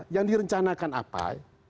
yang direncanakan apa